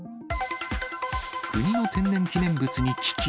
国の天然記念物に危機。